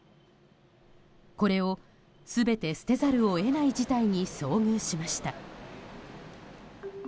これを全て捨てざるを得ない事態に遭遇しました。